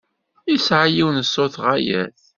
Yesɛa yiwen n ṣṣut ɣaya-t.